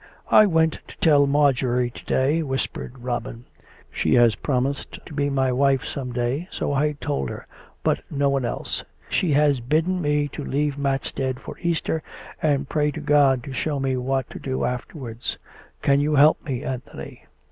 " I went to tell Marjorie to day," whispered Robin. " She has promised to be my wife some day ; so I told her, but no one else. She has bidden me to leave Matstead for Easter, and pray to God to show me what to do afterwards. Can you help me, Anthony